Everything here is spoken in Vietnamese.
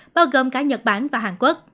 bao gồm cả nhật bản và hàn quốc